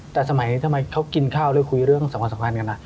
แต่สมัยทำไมเขากินข้าวหรือคุยเรื่องสำคัญกัน